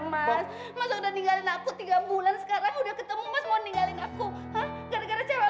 mas gua pergi aja deh